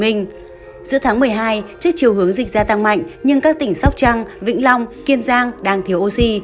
giữa tháng một mươi hai trước chiều hướng dịch gia tăng mạnh nhưng các tỉnh sóc trăng vĩnh long kiên giang đang thiếu oxy